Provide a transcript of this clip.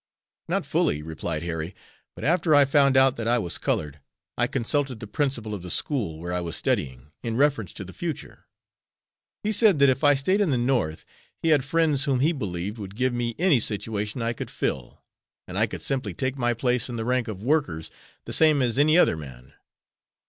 "Not fully," replied Harry; "but after I found out that I was colored, I consulted the principal of the school, where I was studying, in reference to the future. He said that if I stayed in the North, he had friends whom he believed would give me any situation I could fill, and I could simply take my place in the rank of workers, the same as any other man.